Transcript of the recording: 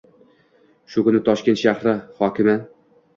Shu kuni Toshkent shahar hokimi A